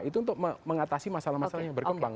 itu untuk mengatasi masalah masalah yang berkembang